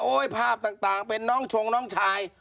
ภาพต่างเป็นน้องชงน้องชาย